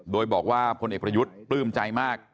โดยบอกว่าพลเอกประยุทธ์ปลื้มใจมาก